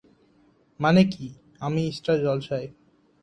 মানে কি? আমি স্টার জলসায়।